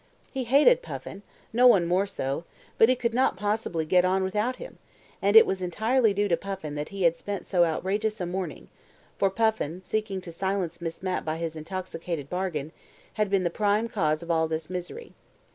He hated Puffin no one more so but he could not possibly get on without him, and it was entirely due to Puffin that he had spent so outrageous a morning, for Puffin, seeking to silence Miss Mapp by his intoxicated bargain, had been the prime cause of all this misery.